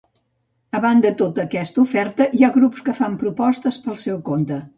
A banda tota aquesta oferta, hi ha grups que fan propostes pel seu compte.